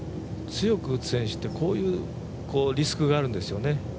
強く打つ選手って、こういうリスクがあるんですよね。